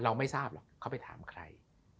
ไม่ทราบหรอกเขาไปถามใคร